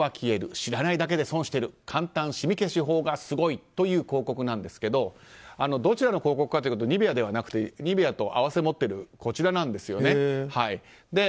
知らないだけで損してる簡単シミ消し法がすごいという広告なんですけどどちらの広告かというとニベアではなくてニベアと併せ持っているこちらなんですよね。